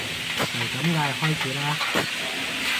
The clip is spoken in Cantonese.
就咁嗌開始啦